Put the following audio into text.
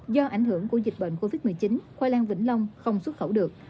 do ảnh hưởng của dịch bệnh covid một mươi chín khoai lang vĩnh long không xuất khẩu được